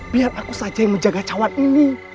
biar aku saja yang menjaga cawan ini